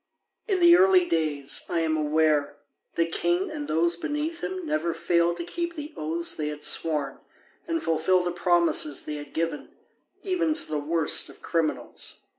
In the early days, I am aware, the king and those beneath him never failed to keep the oaths they had sworn and fulfil the promises they had given, even to the worst of criminals.